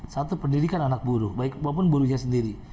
satu pendidikan anak buru baik maupun burunya sendiri